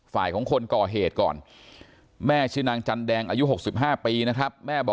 ฝ่ายของคนก่อเหตุก่อนแม่ชื่อนางจันแดงอายุ๖๕ปีนะครับแม่บอก